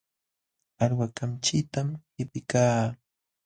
Alwa kamchitam qipiykaa.